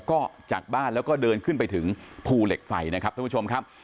ก็จากบ้านแล้วก็เดินขึ้นไปถึงภูเหล็กไฟนะครับท่านผู้ชมครับ